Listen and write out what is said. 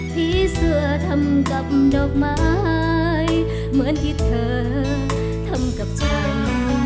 ผีเสื้อทำกับดอกไม้เหมือนที่เธอทำกับฉัน